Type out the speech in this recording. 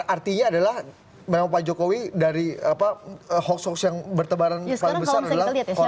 artinya adalah memang pak jokowi dari hoks hoks yang bertebaran paling besar adalah korban dari hoks ya